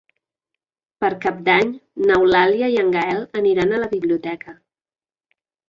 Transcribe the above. Per Cap d'Any n'Eulàlia i en Gaël aniran a la biblioteca.